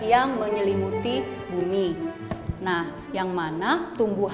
jangan terlalu fokus ke keuangan tiongkok